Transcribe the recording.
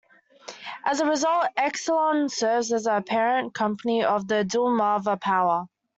As a result, Exelon serves as the parent company of Delmarva Power.